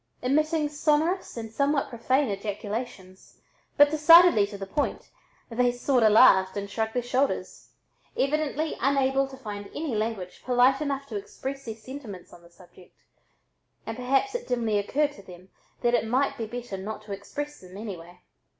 Emitting sonorous and somewhat profane ejaculations, but decidedly to the point, they "sort'a" laughed and shrugged their shoulders, evidently unable to find any language polite enough to express their sentiments on the subject and perhaps it dimly occurred to them that it might be better not to express them anyway.